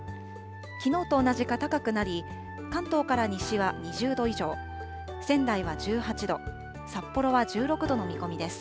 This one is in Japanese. きのうと同じか高くなり、関東から西は２０度以上、仙台は１８度、札幌は１６度の見込みです。